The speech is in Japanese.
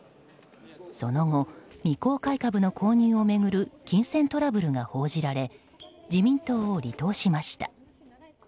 その後、未公開株の購入を巡る金銭トラブルが報じられ自民党を離党しました。